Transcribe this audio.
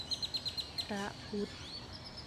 พระพุทธ